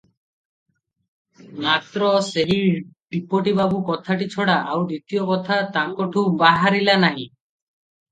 ମାତ୍ର ସେହି ଡିପୋଟି ବାବୁ କଥାଟି ଛଡ଼ା ଆଉ ଦ୍ୱିତୀୟ କଥା ତାଙ୍କଠୁ ବାହାରିଲା ନାହିଁ ।